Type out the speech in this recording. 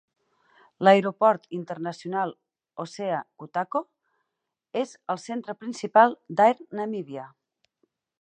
"L'aeroport internacional Hosea Kutako" és el centre principal d'Air Namibia.